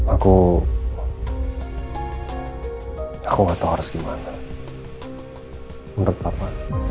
aku aku nggak tahu harus gimana menurut papa